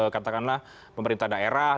katakanlah pemerintah daerah